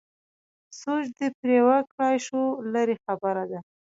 سوچ دې پرې وکړای شو لرې خبره ده.